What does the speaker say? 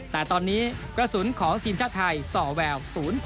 แต่ตอนนี้กระสุนของทีมชาติไทยส่อแวว๐๘